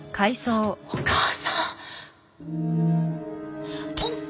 お母さん！？